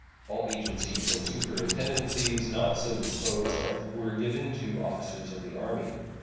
All agencies and superintendencies not so disposed of were given to officers of the Army.